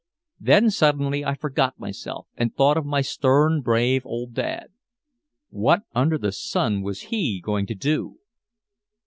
Then suddenly I forgot myself and thought of my stern brave old dad. What under the sun was he going to do?